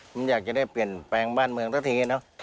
มันอยากจะได้เปลี่ยนแปลงบ้านเมืองสักทีเนอะ